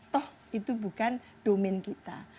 toh itu bukan domain kita